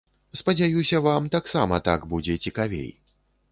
Спадзяюся, вам таксама так будзе цікавей.